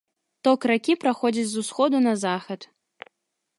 Ток ракі праходзіць з усходу на захад.